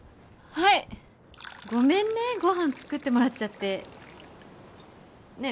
はいごめんねご飯作ってもらっちゃってねえ